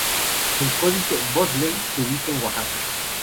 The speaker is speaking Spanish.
El códice "Bodley" se ubica en Oaxaca